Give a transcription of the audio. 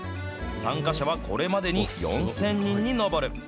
参加者はこれまでに４０００人に上る。